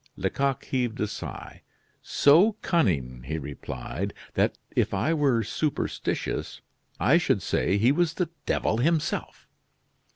Lecoq heaved a sigh. "So cunning," he replied, "that, if I were superstitious, I should say he was the devil himself."